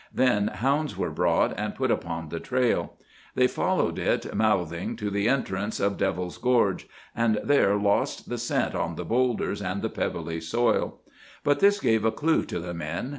Then hounds were brought and put upon the trail. They followed it, mouthing, to the entrance of Devil's Gorge, and there lost the scent on the boulders and the pebbly soil. But this gave a clue to the men.